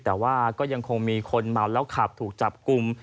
แต่ว่าก็ยังคงมีคนเมาแล้วขับถูกจับกลุ่ม